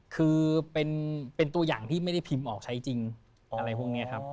คือเป็นตัวอย่างที่ไม่ได้พิมพ์ออกใช้จริงอะไรพวกนี้ครับ